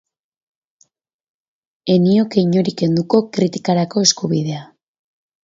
Ez nioke inori kenduko kritikarako eskubidea.